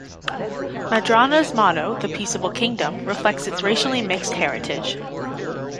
Madrona's motto, "The Peaceable Kingdom," reflects its racially mixed heritage.